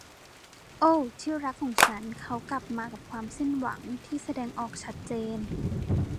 โอ้ ที่รักของฉัน เขากลับมากับความสิ้นหวังที่แสดงออกชัดเจน